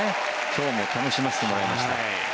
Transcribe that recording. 今日も楽しませてもらいました。